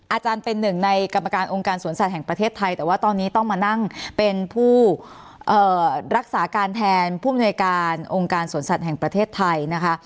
อาจารย์เป็นหนึ่งในกรรมการองค์การสวนสัตว์แห่งประเทศไทยแต่ว่าตอนนี้ต้องมานั่งเป็นผู้รักษาการแทนผู้อำนวยการองค์การสวนสัตว์แห่งประเทศไทยนะคะ